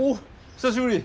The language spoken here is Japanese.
久しぶり。